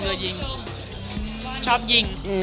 บ้านญี่ปุ่มทบไว้ไว้